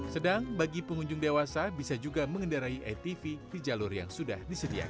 sedang bagi pengunjung dewasa bisa juga mengendarai atv di jalur yang sudah disediakan